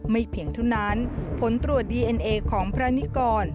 เพียงเท่านั้นผลตรวจดีเอ็นเอของพระนิกร